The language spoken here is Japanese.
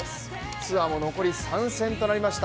ツアーも残り３戦となりました